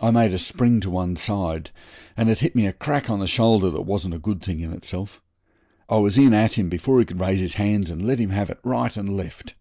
I made a spring to one side, and it hit me a crack on the shoulder that wasn't a good thing in itself. I was in at him before he could raise his hands, and let him have it right and left.